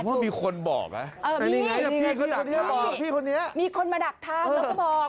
ผมว่ามีคนบอกอ่ะมีมีคนมาดักทางแล้วก็บอก